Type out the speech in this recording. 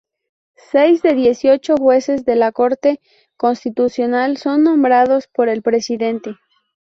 Seis de dieciocho jueces de la Corte Constitucional son nombrados por el presidente.